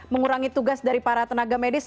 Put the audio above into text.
mengurangi tugas dari para tenaga medis